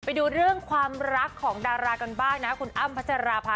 ไปดูเรื่องความรักของดารากันบ้างนะคุณอ้ำพัชราภา